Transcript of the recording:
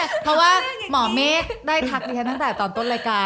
ไม่ไม่ใช่เพราะว่าหมอเมฆได้ทักกิรัฐตอนต้นโรครายการ